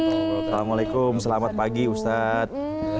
assalamualaikum selamat pagi ustadz